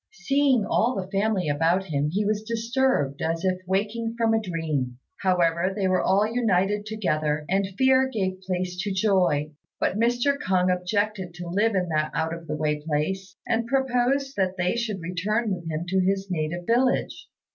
Seeing all the family about him, he was disturbed as if waking from a dream. However they were all united together, and fear gave place to joy; but Mr. K'ung objected to live in that out of the way place, and proposed that they should return with him to his native village.